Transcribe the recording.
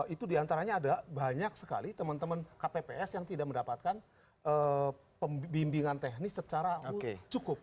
itu diantaranya ada banyak sekali teman teman kpps yang tidak mendapatkan pembimbingan teknis secara cukup